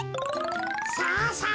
さあさあ